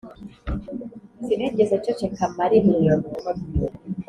sinigeze nceceka marimwe